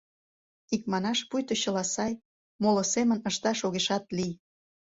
Икманаш, пуйто чыла сай, моло семын ышташ огешат лий.